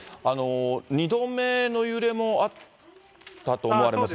２度目の揺れもあったと思われますが。